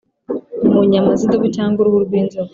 mu nyama z'idubu cyangwa uruhu rw'inzoka.